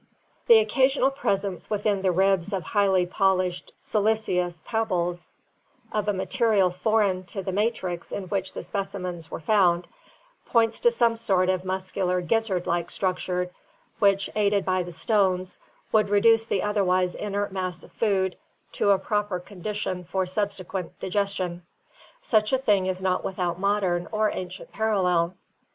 The occasional pres ence within the ribs of highly polished siliceous pebbles of a ma terial foreign to the matrix in which the specimens were found points to some sort of a muscular gizzard like structure which, aided by the stones, could reduce the otherwise inert mass of food to a proper condition for subsequent digestion. Such a thing is not without modern or ancient parallel.